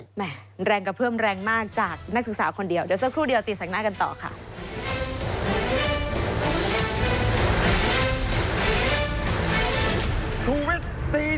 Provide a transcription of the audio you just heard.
แม่แรงกระเพื่อมแรงมากจากนักศึกษาคนเดียว